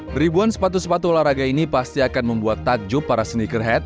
beribuan sepatu sepatu olahraga ini pasti akan membuat tatjub para sneakerhead